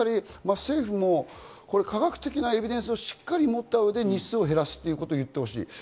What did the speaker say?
政府も科学的なエビデンスをしっかり持った上で日数を減らすということを言ってほしい。